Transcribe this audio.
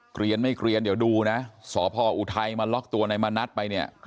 เกลียนไม่เกลียนเดี๋ยวดูนะสพออุทัยมาล็อกตัวนายมณัฐไปเนี่ย